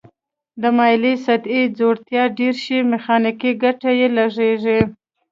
د مایلې سطحې ځوړتیا ډیره شي میخانیکي ګټه یې لږیږي.